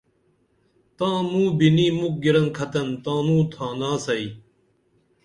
تاں موں بنی مُکھ گِرنکھتن تانوں تھانا سئی